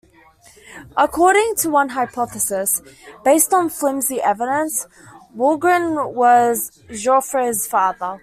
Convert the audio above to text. According to one hypothesis, based on flimsy evidence, Wulgrin was Jaufre's father.